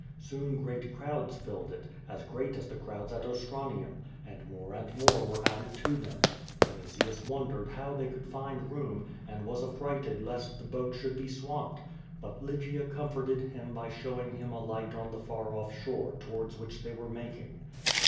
Soon great crowds filled it, as great as the crowds at Ostra nium, and more and more were added to them. Vinitius won dered how they could find room, and was aiTrighted lest the boat sliould be swamped. But Lygia comforted him by show ing him a light on the far olT shore towards which they were making.